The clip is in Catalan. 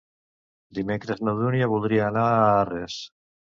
Dimecres na Dúnia voldria anar a Arres.